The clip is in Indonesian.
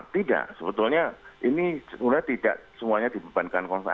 tidak sebetulnya ini tidak semuanya dibebankan konsumen